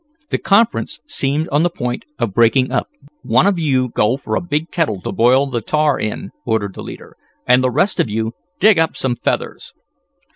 The conference seemed on the point of breaking up. "One of you go for a big kettle to boil the tar in," ordered the leader, "and the rest of you dig up some feathers."